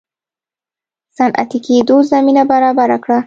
صنعتي کېدو زمینه برابره کړه.